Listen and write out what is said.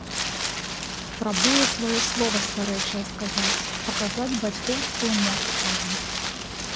Прабуе сваё слова старэчае сказаць, паказаць бацькоўскую моц сваю.